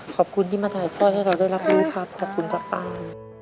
ขอบคุณที่มาถ่ายทอดให้เราได้รับรู้ครับขอบคุณครับป้า